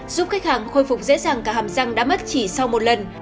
giúp khách hàng khôi phục dễ dàng cả hàm răng đã mất chỉ sau một lần